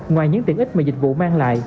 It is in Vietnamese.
ngoài những tiện ích mà dịch vụ mang lại